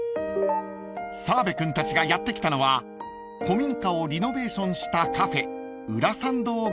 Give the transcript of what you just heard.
［澤部君たちがやって来たのは古民家をリノベーションしたカフェ］